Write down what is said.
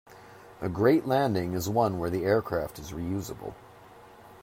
A great landing is one where the aircraft is reusable.